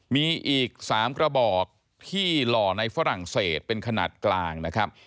มีอีก๓กระบอกที่หล่อในฝรั่งเศสเป็นขนาดกลางนะครับ